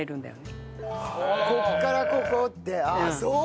ここからここってあっそうか！